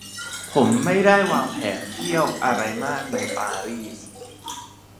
ผมไม่ได้วางแผนเที่ยวอะไรมากในปารีส